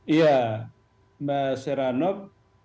iya mbak serhanov